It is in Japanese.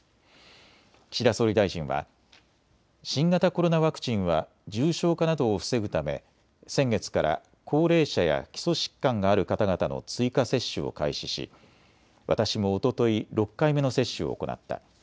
岸田総理大臣は新型コロナワクチンは重症化などを防ぐため先月から高齢者や基礎疾患がある方々の追加接種を開始し私もおととい６回目の接種を行った。